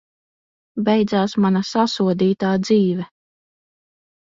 Beidzās mana sasodītā dzīve!